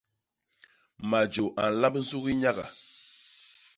Majô a nlamb nsugi nyaga.